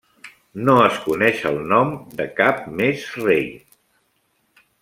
No es coneix el nom de cap més rei.